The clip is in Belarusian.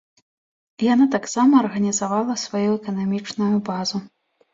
Яна таксама арганізавала сваю эканамічную базу.